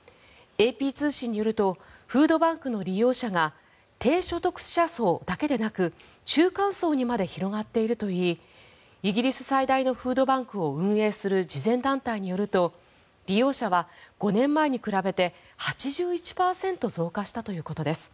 ＡＰ通信によるとフードバンクの利用者が低所得者層だけでなく中間層にまで広がっているといいイギリス最大のフードバンクを運営する慈善団体によると利用者は５年前に比べて８１％増加したということです。